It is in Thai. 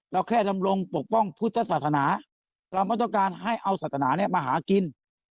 เราแค่ดำรงปกป้องพุทธศาสนาเราไม่ต้องการให้เอาศาสนานี้มาหากิน